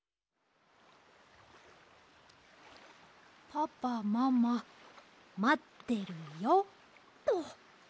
「パパママまってるよ」と。